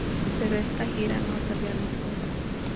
Pero esta gira no se realizó.